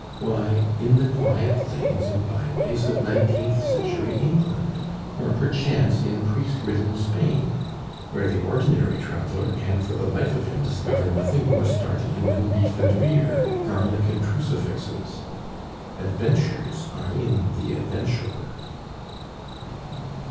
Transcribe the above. Why, in the quiet lanes and byways of nineteenth century England, or perchance in priest ridden Spain, where the ordinary traveler can for the life of him discover nothing more startling than beef and beer, garlic and crucifixes. Adventures are in the adventurer.